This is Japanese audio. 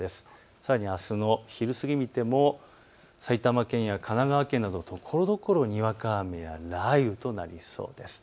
さらにあすの昼過ぎを見ても埼玉県や神奈川県などところどころにわか雨や雷雨となりそうです。